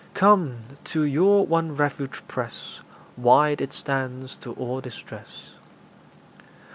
Come, to your one refuge press; Wide it stands to all distress!